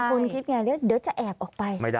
คุณคิดไงเอาจะแอบออกไป